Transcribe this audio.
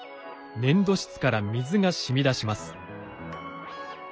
粘土質から水が染み出します。